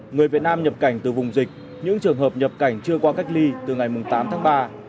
người việt nam nhập cảnh từ vùng dịch những trường hợp nhập cảnh chưa qua cách ly từ ngày tám tháng ba